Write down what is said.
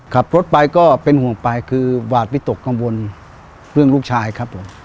ขับรถไปก็เป็นห่วงไปคือหวาดวิตกกังวลเรื่องลูกชายครับผม